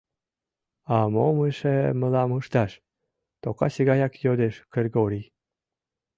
— А мом эше мылам ышташ? — токасе гаяк йодеш Кыргорий.